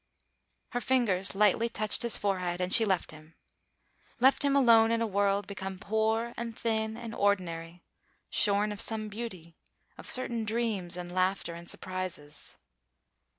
Her fingers lightly touched his forehead, and she left him; left him alone in a world become poor and thin and ordinary, shorn of some beauty, of certain dreams and laughter and surprises.